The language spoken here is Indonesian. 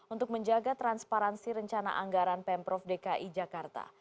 untuk menjaga transparansi rencana anggaran pemprov dki jakarta